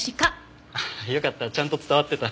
よかったちゃんと伝わってた。